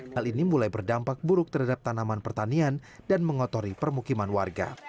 hal ini mulai berdampak buruk terhadap tanaman pertanian dan mengotori permukiman warga